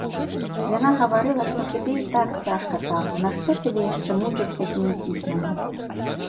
Яна гаварыла, што табе і так цяжка там, нашто цябе яшчэ мучыць такімі пісьмамі.